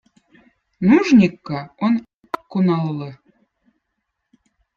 Nužnikkõ on akkunallõ.